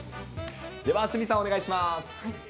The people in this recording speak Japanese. では鷲見さん、お願いします。